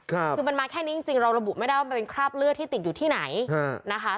คือมันมาแค่นี้จริงจริงเราระบุไม่ได้ว่ามันเป็นคราบเลือดที่ติดอยู่ที่ไหนนะคะ